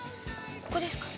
ここですか？